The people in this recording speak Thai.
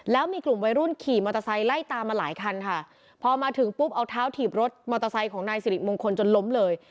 แล้วมีกลุ่มวัยรุ่นขี่มอเตอร์ไซค์ไล่ตามมาหลายคันค่ะพอมาถึงปุ๊บเอาเท้าถีบรถมอเตอร์ไซค์ของนายสิริมงคลจนล้มเลย